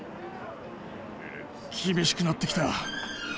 厳しくなってきた。